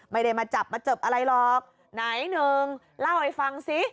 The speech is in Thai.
ไม่ได้มาจับมาเจออะไรหรอกไหนหนึ่งเล่าให้ฟังสิ